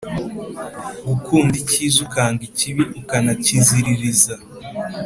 gukunda ikiza ukanga ikibi ukanakiziririza.